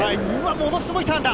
ものすごいターンだ。